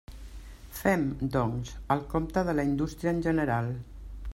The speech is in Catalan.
Fem, doncs, el compte de la indústria en general.